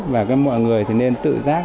và các mọi người thì nên tự giác